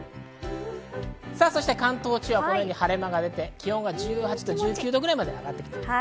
関東地方はこのように晴れ間が出て気温は１８度、１９度ぐらいまで上がってきています。